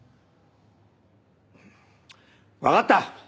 分かった！